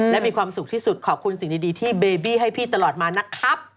และมีความสุขที่สุดขอบคุณสิ่งดีที่เบบี้ให้พี่ตลอดมานะครับ